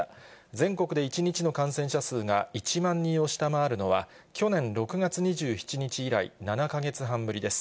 全国で１日の感染者数が１万人を下回るのは、去年６月２７日以来、７か月半ぶりです。